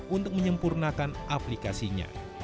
untuk menyempurnakan aplikasinya